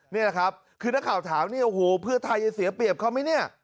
นี่แหละครับคือนักข่าวถามเนี่ยโอ้โหเพื่อไทยจะเสียเปรียบเขาไหมเนี่ย